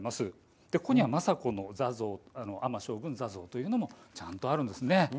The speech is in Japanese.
ここには政子の尼将軍座像もちゃんとあるんですね。